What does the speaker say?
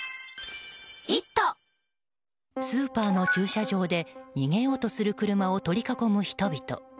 スーパーの駐車場で逃げようとする車を取り囲む人々。